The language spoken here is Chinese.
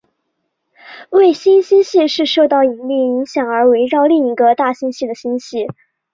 卫星星系是受到引力影响而环绕另一个大星系的星系。